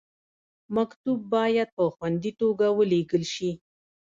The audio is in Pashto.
مکتوب باید په خوندي توګه ولیږل شي.